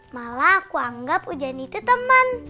malah aku anggap hujan itu temen